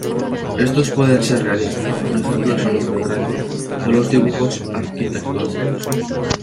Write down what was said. Estos pueden ser realistas: un ejemplo son los retratos o los dibujos arquitectónicos.